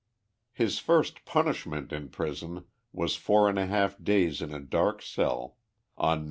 His first punishment in prison was four and a half days in a dark cell, on Nov.